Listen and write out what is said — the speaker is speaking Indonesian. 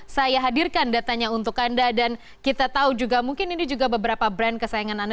saya hadirkan datanya untuk anda dan kita tahu juga mungkin ini juga beberapa brand kesayangan anda